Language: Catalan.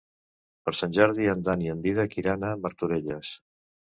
Per Sant Jordi en Dan i en Dídac iran a Martorelles.